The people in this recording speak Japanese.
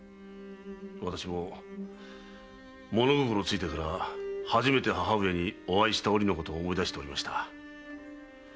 私ももの心ついてから初めて母上にお会いした折のことを思い出しておりました。